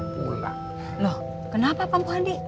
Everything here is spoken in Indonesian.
pulang loh kenapa pak mohadi